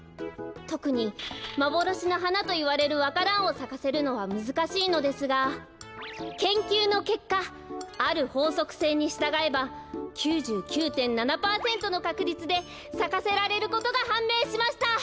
とくにまぼろしのはなといわれるわか蘭をさかせるのはむずかしいのですが研究のけっかあるほうそくせいにしたがえば９９．７パーセントのかくりつでさかせられることがはんめいしました！